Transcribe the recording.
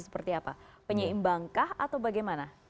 seperti apa penyeimbangkah atau bagaimana